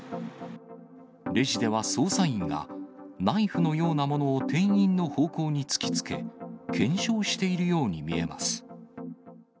レジでは捜査員がナイフのようなものを店員の方向に突きつけ、検証しているように見えます。